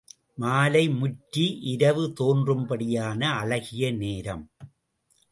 மாலை முற்றி இரவு தோன்றும்படியான அழகிய நேரம்.